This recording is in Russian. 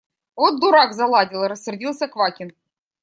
– Вот дурак – заладил! – рассердился Квакин.